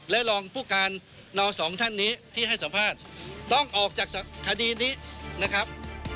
และรองผู้การนสองท่านนี้ที่ให้สัมภาษณ์ต้องออกจากคดีนี้นะครับ